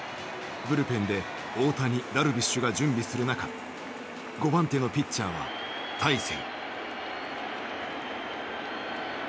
ブルペンで大谷ダルビッシュが準備する中５番手のピッチャーは大勢。